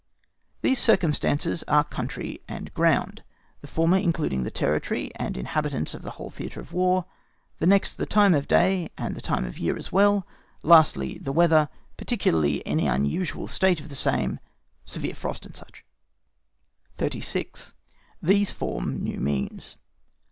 These circumstances are country and ground, the former including the territory and inhabitants of the whole theatre of war; next the time of the day, and the time of the year as well; lastly, the weather, particularly any unusual state of the same, severe frost, &c. 36. THESE FORM NEW MEANS.